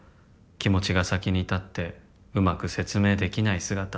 「気持ちが先に立ってうまく説明できない姿」